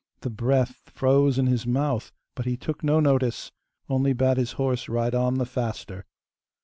The breath froze in his mouth, but he took no notice, only bade his horse ride on the faster.